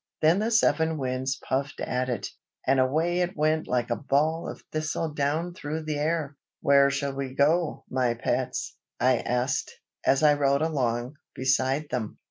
then the seven Winds puffed at it, and away it went like a ball of thistledown through the air! "Where shall we go, my pets?" I asked, as I rode along, beside them.